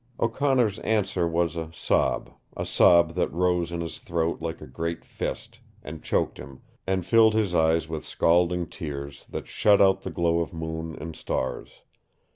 O'Connor's answer was a sob, a sob that rose in his throat like a great fist, and choked him, and filled his eyes with scalding tears that shut out the glow of moon and stars.